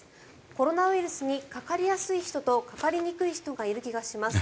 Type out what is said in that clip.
コロナウイルスにかかりやすい人とかかりにくい人がいる気がします。